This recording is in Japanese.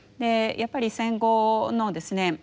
やっぱり戦後のですね